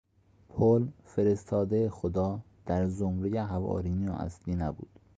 پل، فرستاده خدا، در زمرهی حواریون اصلی نبود.